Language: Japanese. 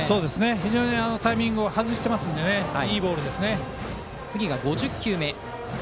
非常にタイミングを外していますのでいいボールですね。